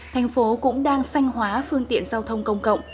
thành phố cũng đang xanh hóa phương tiện giao thông công cộng